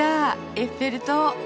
エッフェル塔。